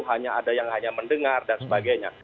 hanya ada yang hanya mendengar dan sebagainya